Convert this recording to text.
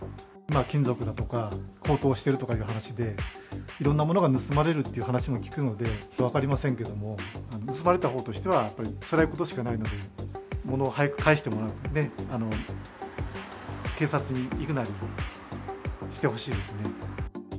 金属が高騰しているという話で、いろんなものが盗まれるという話も聞くので、分かりませんけども、盗まれたほうとしては、やっぱりつらいことしかないので、ものを早く返してもらうなり、警察に行くなりしてほしいですね。